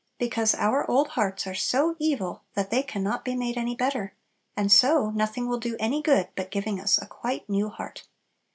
Because our old hearts are so evil that they can not be made any better; and so nothing will do any good but giving us a quite new heart.